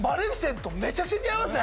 めちゃくちゃ似合いますね。